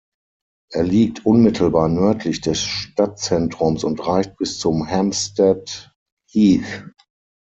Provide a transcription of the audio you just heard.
Er liegt unmittelbar nördlich des Stadtzentrums und reicht bis zum Hampstead Heath.